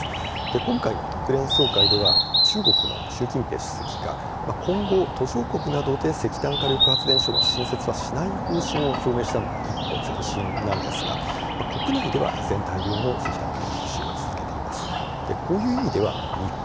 今回の国連総会では中国の習近平主席が今後、途上国などで石炭火力発電所を新設しないと表明したのは一歩前進なんですが国内では依然、大量の石炭火力発電を続けています。